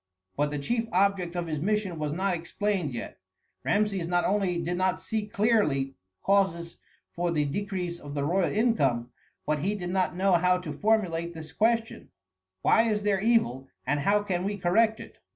But the chief object of his mission was not explained yet. Rameses not only did not see clearly causes for the decrease of the royal income, but he did not know how to formulate this question: Why is there evil, and how can we correct it?